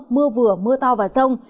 mưa vừa mưa to và rông